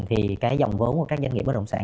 thì cái dòng vốn của các doanh nghiệp bất động sản